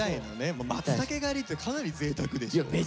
マツタケ狩りってかなりぜいたくでしょ。